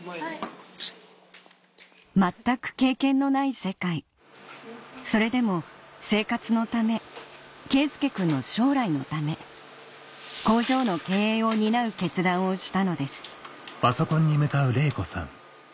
全く経験のない世界それでも生活のため佳祐くんの将来のため工場の経営を担う決断をしたのです